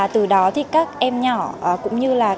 từ đó các em nhỏ cũng như các bạn trẻ